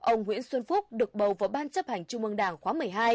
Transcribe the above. ông nguyễn xuân phúc được bầu vào ban chấp hành trung ương đảng khóa một mươi hai